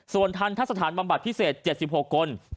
ส่วนทัศนภาคบำบัดพิเศษ๗๖คน